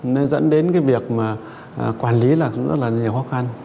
nên dẫn đến cái việc mà quản lý là cũng rất là nhiều khó khăn